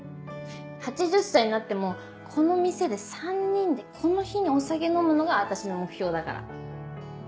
８０歳になってもこの店で３人でこの日にお酒飲むのが私の目標だから。